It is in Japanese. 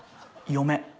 嫁。